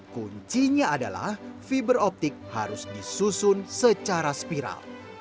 kuncinya adalah fiberoptik harus disusun secara spiral